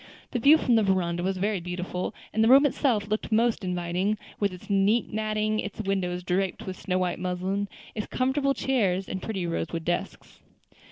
The view from the veranda was very beautiful, and the room itself looked most inviting, with its neat matting, its windows draped with snow white muslin, its comfortable chairs, and pretty rosewood desks.